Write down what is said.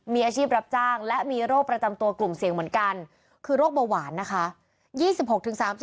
มีอาชีพรับจ้างและมีโรคประจำตัวกลุ่มเสี่ยงเหมือนกันคือโรคเบาหวานนะคะ